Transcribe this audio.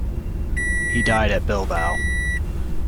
He died at Bilbao.